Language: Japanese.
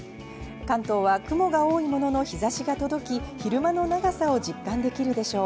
関東は雲が多いものの、日差しが届き、昼間の長さを実感できるでしょう。